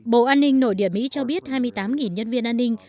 bộ an ninh nội địa mỹ cho biết hai mươi tám nhân viên an ninh